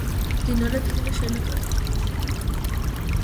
მდინარე ტიგრეს შენაკადი.